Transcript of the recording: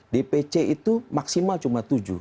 dpc itu maksimal cuma tujuh